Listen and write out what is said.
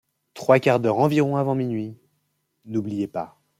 Trois quarts d’heure environ avant minuit ; n’oubliez pas.